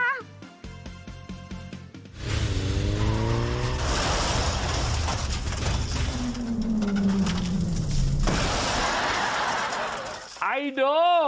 ไอโด